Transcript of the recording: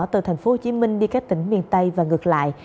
từ thành phố hồ chí minh đi các tỉnh miền tây và ngược lại